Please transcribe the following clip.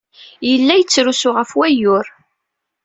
Yella yettrusu ɣef wayyur.